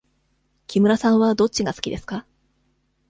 木村さんはどっちが好きですか。